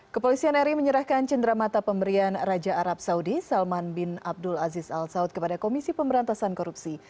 kepolisian ri menyerahkan cendera mata pemberian raja arab saudi salman bin abdul aziz al saud kepada komisi pemberantasan korupsi